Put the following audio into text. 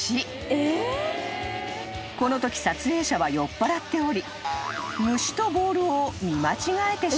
［このとき撮影者は酔っぱらっており］